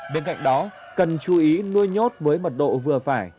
bên cạnh đó cần chú ý nuôi nhốt với mật độ vừa phải